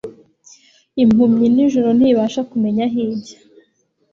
Impumyi nijoro ntibasha kumenya aho ijya